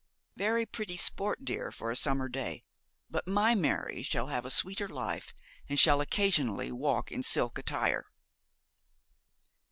'Very pretty sport, dear, for a summer day; but my Mary shall have a sweeter life, and shall occasionally walk in silk attire.'